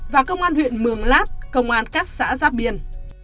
và công an huyện mường lát công an các xã giáp biên